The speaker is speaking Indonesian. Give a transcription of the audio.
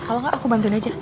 kalau nggak aku bantuin aja